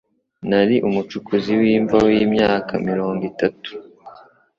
Nari umucukuzi w'imva wimyaka mirongo itatu.